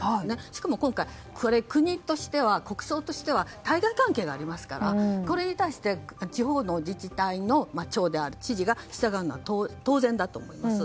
しかも今回、国としては国葬としては対外関係がありますからこれに対して地方の自治体の長である知事が従うのは当然だと思います。